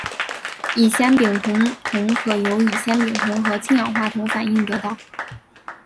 乙酰丙酮铜可由乙酰丙酮和氢氧化铜反应得到。